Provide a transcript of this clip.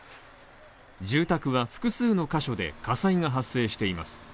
住宅は複数の箇所で火災が発生しています。